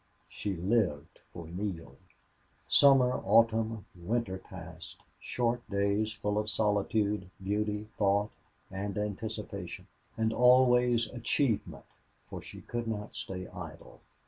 She lived for Neale. Summer, autumn, winter passed, short days full of solitude, beauty, thought, and anticipation, and always achievement, for she could not stay idle.